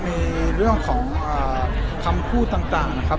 มีเรื่องของคำพูดต่างนะครับ